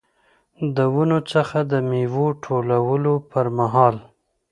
د ونو څخه د میوو ټولولو پرمهال.